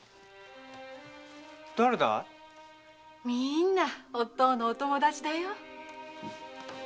みんなおっ父のお友達だよ。